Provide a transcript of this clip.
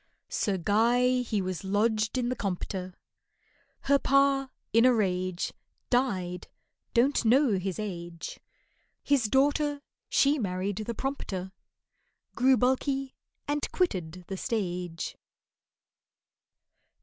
SIR GUY he was lodged in the Compter, Her pa, in a rage, Died (don't know his age), His daughter, she married the prompter, Grew bulky and quitted the stage.